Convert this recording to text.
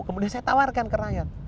kemudian saya tawarkan ke rakyat